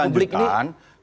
supaya publik ini